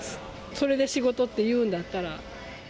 それで仕事って言うんだったら。